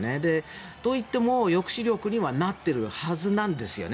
といっても抑止力にはなってるはずなんですよね。